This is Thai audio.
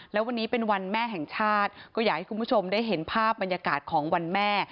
แล้ววันนี้เป็นวันแม่แห่งชาติก็อยากให้คุณผู้ชมได้เห็นภาพบรรยากาศของวันแม่